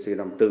về để mà